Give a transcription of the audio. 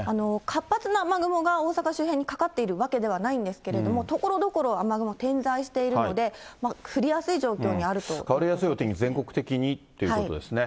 活発な雨雲が大阪周辺にかかっているわけではないんですけども、ところどころ雨雲、点在しているので、降りやすい状況にある変わりやすいお天気、全国的にということですね。